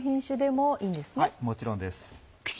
もちろんです。